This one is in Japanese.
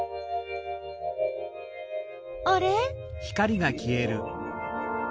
あれ？